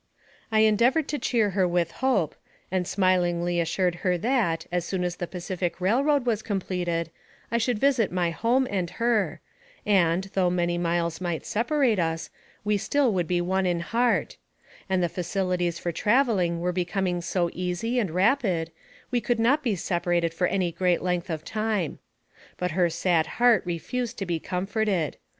I endeavored to cheer her with hope, and smilingly assured her that, as soon as the Pacific Railroad was completed, I should visit my home and her; and, 232 NARRATIVE OF CAPTIVITY though many miles might separate us, we still would be one in heart; and the facilities for traveling were becoming so easy and rapid, we could not be separated for any great length of time. But her sad heart re fused to be comforted.